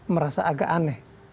merasa agak aneh